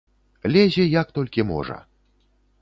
Лезе, як толькі можа.